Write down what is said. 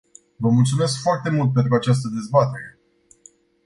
Vă mulțumesc foarte mult pentru această dezbatere.